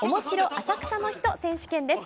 浅草の人選手権です。